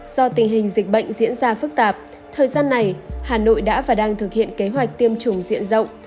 do tình hình dịch bệnh diễn ra phức tạp thời gian này hà nội đã và đang thực hiện kế hoạch tiêm chủng diện rộng